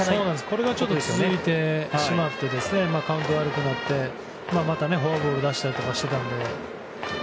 これがちょっと続いてしまってカウントが悪くなってフォアボールを出したりしていたので。